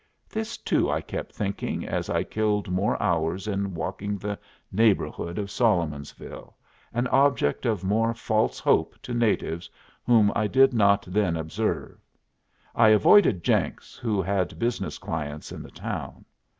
This too I kept thinking as I killed more hours in walking the neighborhood of Solomonsville, an object of more false hope to natives whom I did not then observe. I avoided Jenks, who had business clients in the town.